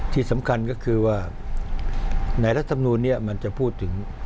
ที่สำคัญก็คือว่าในรัฐธรรมนูลนี้มันจะพูดถึง